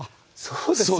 そうです。